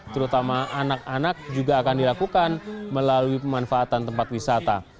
terutama anak anak juga akan dilakukan melalui pemanfaatan tempat wisata